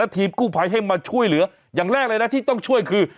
ทีมกู้ภัยให้มาช่วยเหลืออย่างแรกเลยนะที่ต้องช่วยคือ